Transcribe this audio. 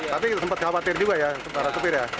tapi sempat khawatir juga ya para sopir ya